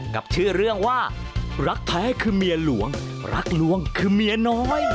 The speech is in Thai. กับชื่อเรื่องว่ารักแท้คือเมียหลวงรักลวงคือเมียน้อย